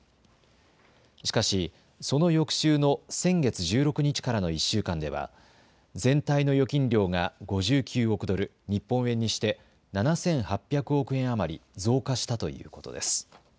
しかしその翌週の先月１６日からの１週間では全体の預金量が５９億ドル、日本円にして７８００億円余り増加したということです。